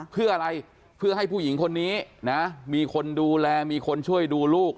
เพื่ออะไรเพื่อให้ผู้หญิงคนนี้นะมีคนดูแลมีคนช่วยดูลูก